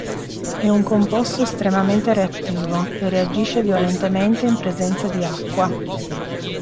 È un composto estremamente reattivo e reagisce violentemente in presenza di acqua.